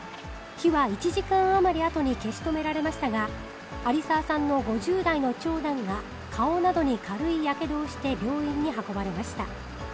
火は１時間余りあとに消し止められましたが、有澤さんの５０代の長男が顔などに軽いやけどをして、病院に運ばれました。